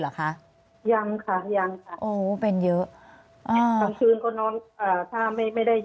อันดับที่สุดท้าย